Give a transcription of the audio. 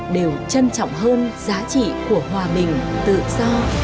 đều trân trọng hơn giá trị của hòa bình tự do